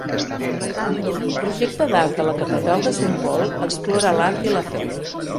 El projecte d'art de la catedral de Saint Paul explora l'art i la fe.